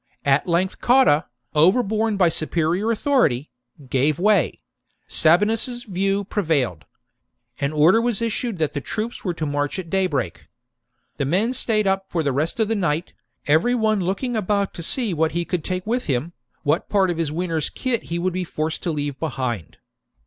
At length Cotta, overborne by superior authority, gave way : Sabinus's view prevailed.^ An order was issued that the troops were to march at daybreak. The men stayed up for the rest of the night, every one looking about to see what he could take with him, what part of his winter's kit he would be forced to leave behind.